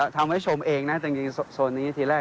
ทำให้ชมเองนะจริงโซนนี้ทีแรก